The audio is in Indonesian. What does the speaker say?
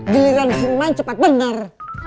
giliran sin main cepet bener